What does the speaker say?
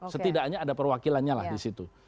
setidaknya ada perwakilannya lah di situ